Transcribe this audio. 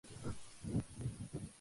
Se entrega en junio del año respectivo.